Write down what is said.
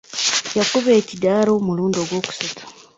Yakuba ekidaala omulundi ogw'okusatu.